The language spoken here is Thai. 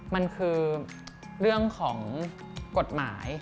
มันคือเรื่องของกฎหมาย